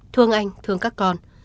thương anh thương các con